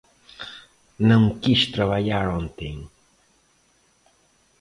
Não quis trabalhar ontem.